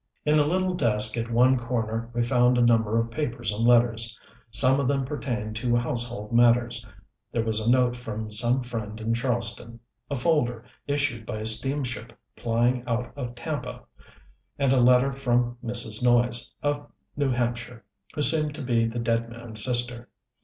In a little desk at one corner we found a number of papers and letters. Some of them pertained to household matters, there was a note from some friend in Charleston, a folder issued by a steamship plying out of Tampa, and a letter from Mrs. Noyes, of New Hampshire, who seemed to be the dead man's sister.